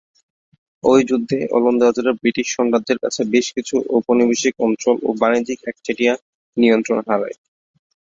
ঐ যুদ্ধে ওলন্দাজরা ব্রিটিশ সাম্রাজ্যের কাছে বেশ কিছু ঔপনিবেশিক অঞ্চল ও বাণিজ্যিক একচেটিয়া নিয়ন্ত্রণ হারায়।